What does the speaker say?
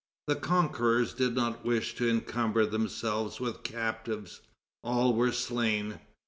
The conquerors did not wish to encumber themselves with captives. All were slain.